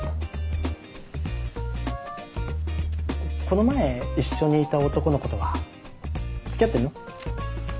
この前一緒にいた男の子とはつきあってんの？